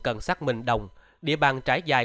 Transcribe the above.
cần xác minh đồng địa bàn trải dài